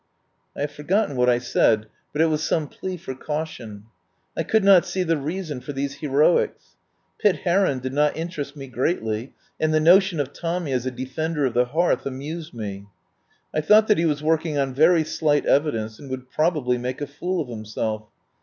I have forgotten what I said, but it was some plea for caution. I could not see the reason for these heroics. Pitt Heron did not interest me greatly, and the notion of Tommy as a defender of the hearth amused me. I thought that he was working on very slight evidence and would probably make a fool of himself.